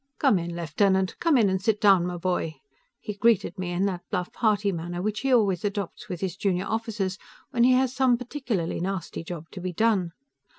"Come in, lieutenant; come in and sit down, my boy!" he greeted me, in that bluff, hearty manner which he always adopts with his junior officers when he has some particularly nasty job to be done.